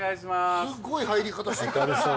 すごい入り方してきた。